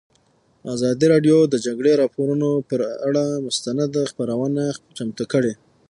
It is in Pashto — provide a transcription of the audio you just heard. ازادي راډیو د د جګړې راپورونه پر اړه مستند خپرونه چمتو کړې.